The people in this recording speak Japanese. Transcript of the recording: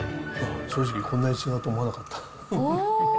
正直、こんなに違うと思わなかった。